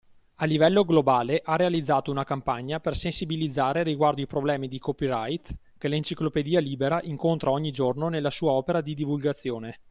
A livello globale ha realizzato una campagna per sensibilizzare riguardo i problemi di copyright che l’Enciclopedia Libera incontra ogni giorno nella sua opera di divulgazione.